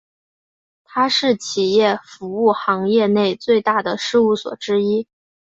它是企业服务行业内最大的事务所之一。